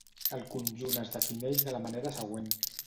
El conjunt es defineix de la manera següent.